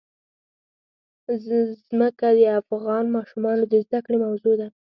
ځمکه د افغان ماشومانو د زده کړې موضوع ده.